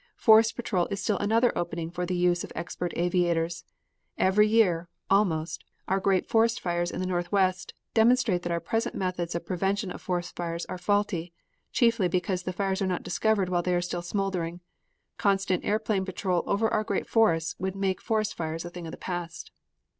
Forest patrol is still another opening for the use of expert aviators. Every year, almost, our great forest fires in the northwest demonstrate that our present methods of prevention of forest fires are faulty; chiefly because the fires are not discovered while they are still smoldering. Constant airplane patrol over our great forests would make forest fires a thing of the past.